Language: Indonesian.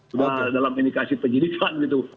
sudah dalam indikasi penyidikan gitu